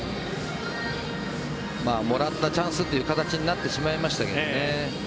もらったチャンスという形になってしまいましたけどね。